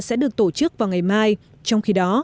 sẽ được tổ chức vào ngày mai trong khi đó